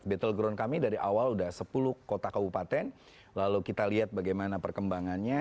battleground kami dari awal sudah sepuluh kota kabupaten lalu kita lihat bagaimana perkembangannya